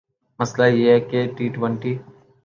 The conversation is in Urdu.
مسئلہ یہ ہے کہ ٹی ٹؤنٹی